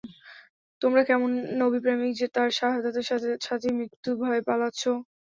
তোমরা কেমন নবী-প্রেমিক যে, তাঁর শাহাদাতের সাথে সাথেই মৃত্যু ভয়ে পালাচ্ছ?